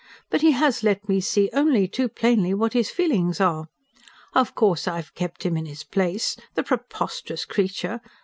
But he has let me see only too plainly what his feelings are. Of course, I've kept him in his place the preposterous creature!